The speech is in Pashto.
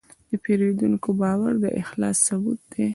د پیرودونکي باور د اخلاص ثبوت دی.